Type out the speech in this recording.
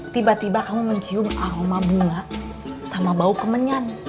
tiba tiba kamu mencium aroma bunga sama bau kemenyan